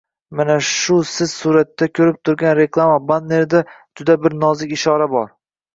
Mana shu siz suratda ko‘rib turgan reklama bannerida juda bir nozik ishora bor!